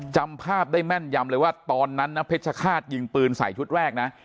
จำภาพได้แม่นยำเลยว่าตอนนั้นนะเพชรฆาตยิงปืนใส่ชุดแรกนะ